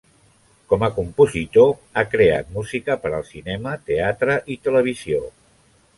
Com a compositor ha creat música per al cinema, teatre i televisió.